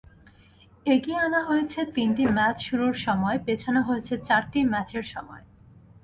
এগিয়ে আনা হয়েছে তিনটি ম্যাচ শুরুর সময়, পেছানো হয়েছে চারটি ম্যাচের সময়।